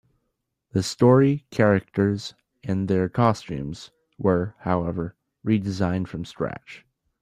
The story, characters and their costumes were, however, re-designed from scratch.